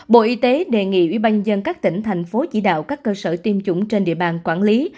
bộ y tế đề nghị ủy ban nhân dân các tỉnh thành phố chỉ đạo các cơ sở tiêm chủng trên địa bàn quản lý